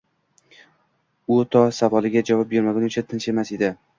U to savoliga javob olmagunicha tinchimas edi.